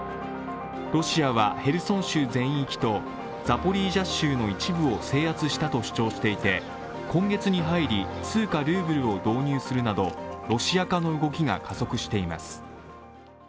ロシアはヘルソン州全域とザポリージャ州の一部を制圧したと主張していて今月に入り通貨ルーブルを導入するなどロシア化の動きが加速しています。